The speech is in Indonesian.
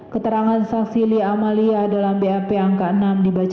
keterangan saksi li amalia dalam bap angka enam dibaca